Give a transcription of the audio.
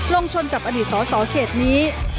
ลงชนกับอดีตสอสอเขตนี้